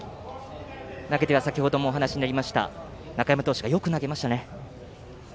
投げては先ほどもお話にありました中山投手がよく投げましたね。